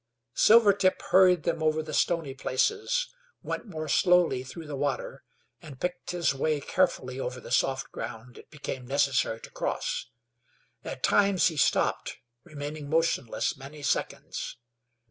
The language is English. Silvertip hurried them over the stony places; went more slowly through the water, and picked his way carefully over the soft ground it became necessary to cross. At times he stopped, remaining motionless many seconds.